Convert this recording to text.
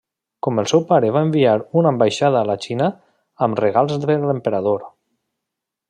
Com el seu pare va enviar una ambaixada a la Xina amb regals per l'emperador.